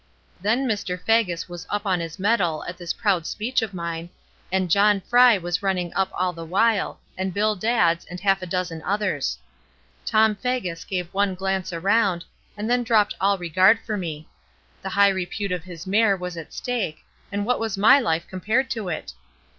Then Mr. Faggus was up on his mettle at this proud speech of mine, and John Fry was running up all the while, and Bill Dadds, and half a dozen others. Tom Faggus gave one glance around, and then dropped all regard for me. The high repute of his mare was at stake, and what was my life compared to it?